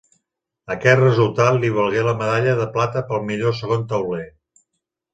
Aquest resultat li valgué la medalla de plata pel millor segon tauler.